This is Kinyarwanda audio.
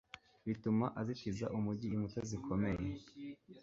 bituma azitiza umugi inkuta zikomeye